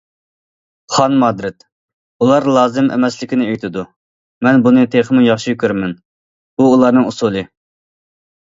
خان مادرىد؟ ئۇلار لازىم ئەمەسلىكىنى ئېيتىدۇ، مەن بۇنى تېخىمۇ ياخشى كۆرىمەن، بۇ ئۇلارنىڭ ئۇسۇلى.